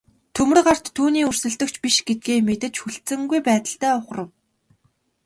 Төмөр гарт түүний өрсөлдөгч биш гэдгээ мэдэж хүлцэнгүй байдалтай ухрав.